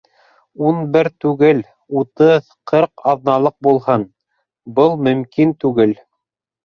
Ун бер түгел, утыҙ, ҡырҡ аҙналыҡ булһын - был мөмкин түгел!